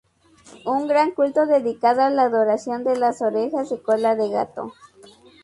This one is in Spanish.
Un gran culto dedicado a la adoración de las orejas y cola de gato.